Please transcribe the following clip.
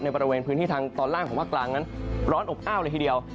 ประเภททางตอนล่างก็ร้อนอบอ้าวเลยทีเดียว